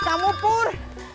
hp kamu pur